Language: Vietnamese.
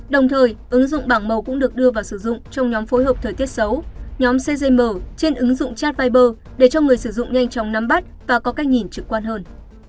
đồng thời ứng dụng bảng màu cũng được đưa vào sử dụng trong nhóm phối hợp thời tiết xấu nhóm cg trên ứng dụng chat viber để cho người sử dụng nhanh chóng nắm bắt và có cách nhìn trực quan hơn